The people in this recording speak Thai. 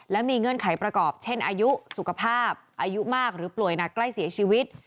และมีเงื่อนไขประกอบเช่นอายุสุขภาพอายุมากหรือป่วยหนักใกล้เสียชีวิต